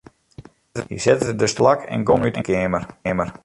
Hy sette de stoel wer teplak en gong út 'e keamer.